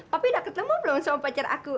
tapi udah ketemu belum sama pacar aku